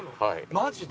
マジで？